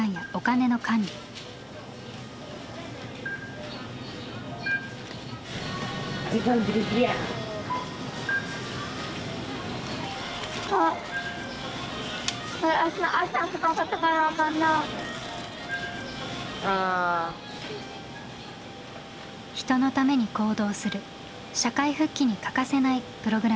人のために行動する社会復帰に欠かせないプログラムです。